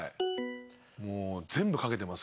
もう全部書けてます。